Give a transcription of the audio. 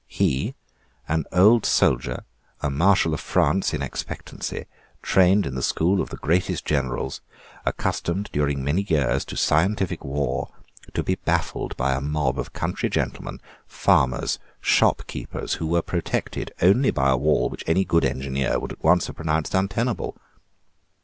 He, an old soldier, a Marshal of France in expectancy, trained in the school of the greatest generals, accustomed, during many years, to scientific war, to be baffled by a mob of country gentlemen, farmers, shopkeepers, who were protected only by a wall which any good engineer would at once have pronounced untenable!